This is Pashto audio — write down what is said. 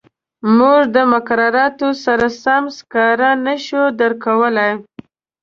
موږ د مقرراتو سره سم سکاره نه شو درکولای.